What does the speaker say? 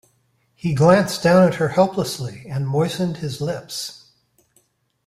He glanced down at her helplessly, and moistened his lips.